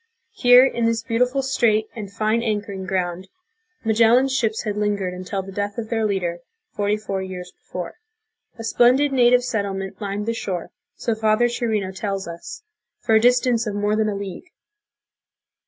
Here, in this beautiful strait The Blood Compact. (Painting by Juan Luna.) and fine anchoring ground, Magellan's ships had lingered until the death of their leader forty four years before. A splendid native settlement lined the shore, so Father Chirino tells us, for a distance of more than a league.